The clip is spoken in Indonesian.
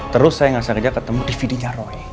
terus saya ngerasa kerja ketemu dvd nya roy